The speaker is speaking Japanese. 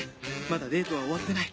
まだデートは終わってない！